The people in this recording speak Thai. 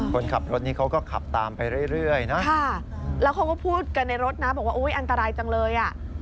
คนขับรถนี้เขาก็ขับตามไปเรื่อยนะแล้วเขาก็พูดกันในรถนะบอกว่าอุ๊ยอันตรายจังเลยอ่ะ